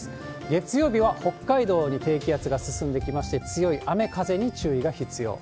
月曜日は北海道に低気圧が進んできまして、強い雨、風に注意が必要。